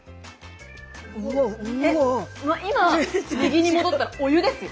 今右に戻ったらお湯ですよ。